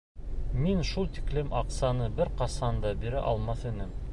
Мин шул тиклем аҡсаны бер ҡасан да бирә алмаҫ инем.